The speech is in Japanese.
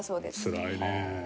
つらいね。